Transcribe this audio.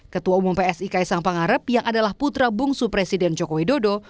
ketua umum psi kaisang pangarep yang adalah putra bungsu presiden joko widodo